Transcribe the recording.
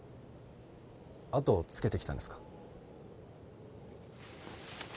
後をつけてきたんですか？